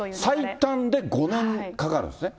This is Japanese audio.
最短で５年かかるんですね。